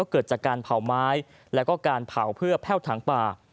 เกิดจากการเผาไม้แล้วก็การเผาเพื่อแพ่วถังป่า